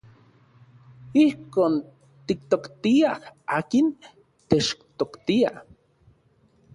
Ijkon tiktoktiaj akin techtoktia.